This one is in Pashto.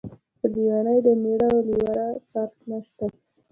په لیونۍ د مېړه او لېوره فرق نشته.